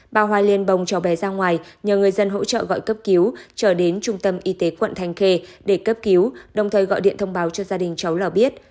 bà hoa liên bồng cháu bé ra ngoài nhờ người dân hỗ trợ gọi cấp cứu trở đến trung tâm y tế quận thanh khê để cấp cứu đồng thời gọi điện thông báo cho gia đình cháu là biết